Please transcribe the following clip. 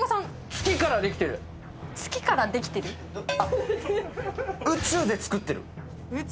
月からできてる⁉宇宙で作ってる。